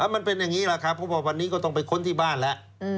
มันเป็นอย่างนี้แหละครับเพราะว่าวันนี้ก็ต้องไปค้นที่บ้านแล้ว